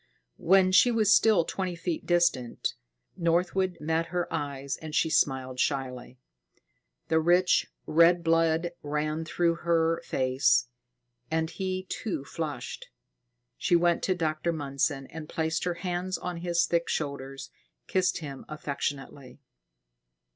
When she was still twenty feet distant, Northwood met her eyes and she smiled shyly. The rich, red blood ran through her face; and he, too, flushed. She went to Dr. Mundson and, placing her hands on his thick shoulders, kissed him affectionately.